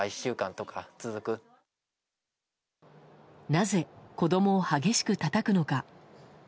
なぜ、子供を激しくたたくのか。